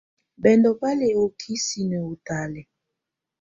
Bɛndɔ́ bá lɛ ɔ ikisinǝ́ ɔ ɔtalɛ̀á.